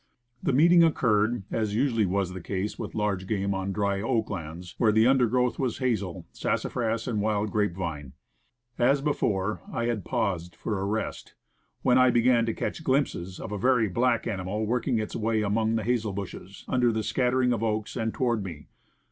The meeting occurred, as usually was the case with large game, on dry, oak lands, where the under growth was hazel, sassafras, and wild grapevine. As before, I had paused for a rest, when I began to catch glimpses of a very black animal working its way among the hazel bushes, under the scattering oaks, and toward me.